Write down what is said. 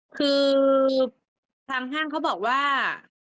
คือทางห้างเขาบอกว่า